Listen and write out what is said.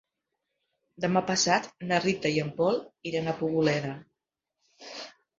Demà passat na Rita i en Pol iran a Poboleda.